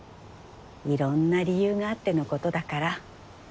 いろんな理由があってのことだから。